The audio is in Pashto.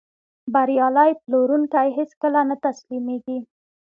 بریالی پلورونکی هیڅکله نه تسلیمېږي.